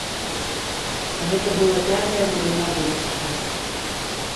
Гэта была пятая навіна выпуску.